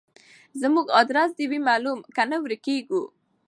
زموږ ادرس دي وي معلوم کنه ورکیږو